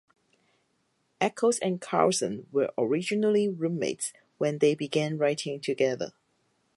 Ackles and Carlson were originally roommates when they began writing together.